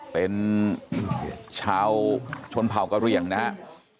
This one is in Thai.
เป็นชาวชนเผ่ากระเหลี่ยงนะครับ